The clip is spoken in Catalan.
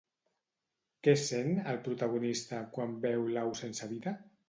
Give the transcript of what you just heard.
Què sent, el protagonista, quan veu l'au sense vida?